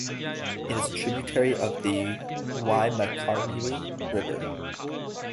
It is a tributary of the Waimakariri River.